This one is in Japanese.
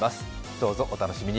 どうぞお楽しみに。